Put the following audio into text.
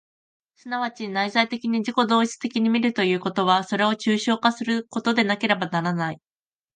即ち内在的に自己同一的に見るということは、それを抽象化することでなければならない。